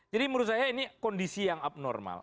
menurut saya ini kondisi yang abnormal